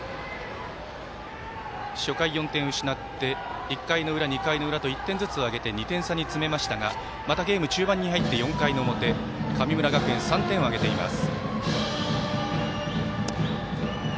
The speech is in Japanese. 初回４点失って１回の裏、２回の裏と１点ずつ挙げて２点差に詰めましたがまたゲーム中盤に入って４回の表神村学園、３点を挙げています。